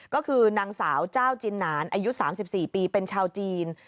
ก็คือนางสาวเจ้าจินหนานอายุ๓๔ปีเป็นชาวจีน